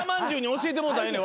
教えてもうたらええねん